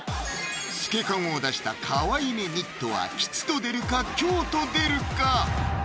透け感を出したカワイめニットは吉と出るか凶と出るか？